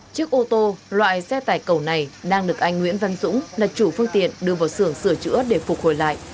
chiếc ô tô loại xe tải cầu này đang được anh nguyễn văn dũng là chủ phương tiện đưa vào sưởng sửa chữa để phục hồi lại